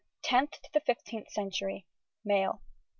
_] TENTH TO THE FIFTEENTH CENTURY. MALE.